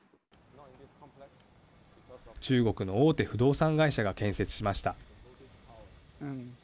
中国の大手不動産会社が建設しました。